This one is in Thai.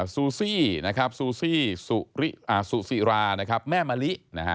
ซูซี่ราแม่หมาลิ